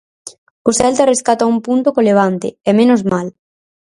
O Celta rescata un punto co Levante, e menos mal.